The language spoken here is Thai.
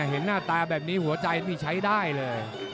เห็นหน้าตาแบบนี้หัวใจนี่ใช้ได้เลย